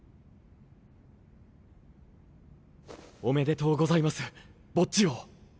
おめでとうございますボッジ王。